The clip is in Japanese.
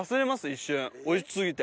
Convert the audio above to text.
一瞬おいし過ぎて。